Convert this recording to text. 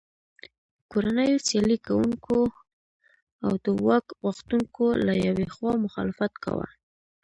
کورنیو سیالي کوونکو او د واک غوښتونکو له یوې خوا مخالفت کاوه.